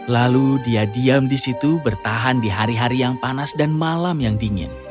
lalu dia diam di situ bertahan di hari hari yang panas dan malam yang dingin